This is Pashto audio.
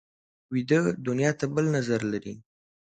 ویده دنیا ته بل نظر لري